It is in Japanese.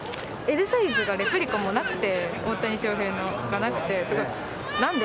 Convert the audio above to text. Ｌサイズがレプリカなくて、大谷翔平のがなくて、なんで？